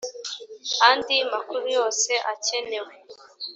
andi makuru yose akenewe